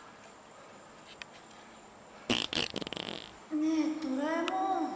ねえドラえもん。